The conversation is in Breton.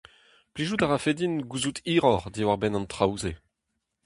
Plijout a rafe din gouzout hiroc'h diwar-benn an traoù-se.